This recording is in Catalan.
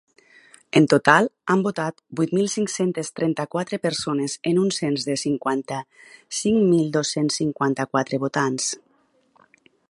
En total, han votat vuit mil cinc-centes trenta-quatre persones en un cens de cinquanta-cinc mil dos-cents cinquanta-quatre votants.